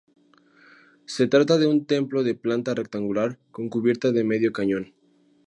Se trata de un templo de planta rectangular con cubierta de medio cañón.